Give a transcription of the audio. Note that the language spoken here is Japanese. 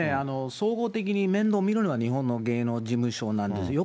総合的に面倒見るのが日本の芸能事務所なんですよ。